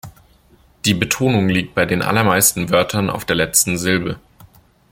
Die Betonung liegt bei den allermeisten Wörtern auf der letzten Silbe.